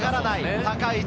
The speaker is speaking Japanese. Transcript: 高い位置。